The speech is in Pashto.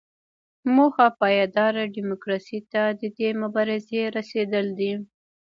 موخه پایداره ډیموکراسۍ ته د دې مبارزې رسیدل دي.